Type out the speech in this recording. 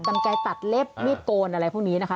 กันไกลตัดเล็บมีดโกนอะไรพวกนี้นะคะ